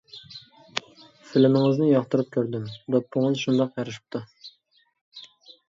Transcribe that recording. فىلىمىڭىزنى ياقتۇرۇپ كۆردۈم، دوپپىڭىز شۇنداق يارىشىپتۇ.